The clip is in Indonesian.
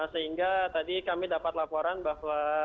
sehingga tadi kami dapat laporan bahwa